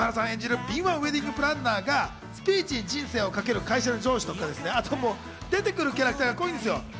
演じる敏腕ウェディングプランナーがスピーチに人生をかける会社の上司など、出てくるキャラクターが濃いんですよ。